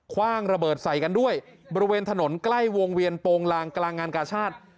คว่างระเบิดใส่กันด้วยบริเวณถนนใกล้วงเวียนโปรงลางกลางงานกาชาติ